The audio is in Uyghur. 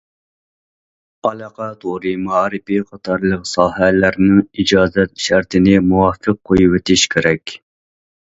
ئالاقە تورى مائارىپى قاتارلىق ساھەلەرنىڭ ئىجازەت شەرتىنى مۇۋاپىق قويۇۋېتىش كېرەك.